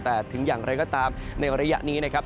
แต่ถึงอย่างไรก็ตามในระยะนี้นะครับ